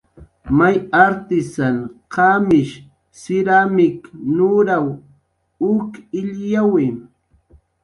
May artisan qamish siramik nuraw uk illyawi